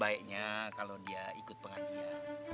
baiknya kalau dia ikut pengajian